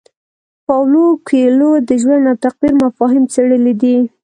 پاولو کویلیو د ژوند او تقدیر مفاهیم څیړلي دي.